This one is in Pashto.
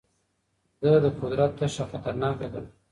ده د قدرت تشه خطرناکه ګڼله.